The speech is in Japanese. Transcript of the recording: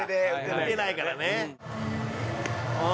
打てないからね。